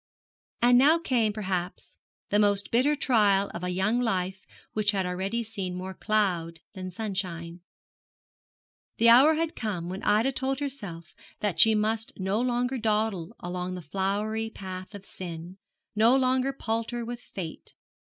And now came, perhaps, the most bitter trial of a young life which had already seen more cloud than sunshine. The hour had come when Ida told herself that she must no longer dawdle along the flowery path of sin, no longer palter with fate.